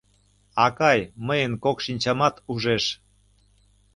Акай, мыйын кок шинчамат ужеш.